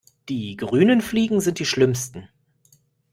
Die grünen Fliegen sind die schlimmsten.